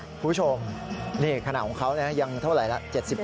คุณผู้ชมนี่ขนาดของเขายังเท่าไหร่แล้ว